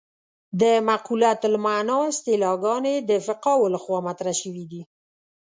د معقولة المعنی اصطلاحګانې د فقهاوو له خوا مطرح شوې دي.